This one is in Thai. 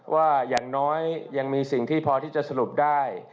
ว่าอย่างน้อยยังมีสิ่งที่พอที่จะสรุปได้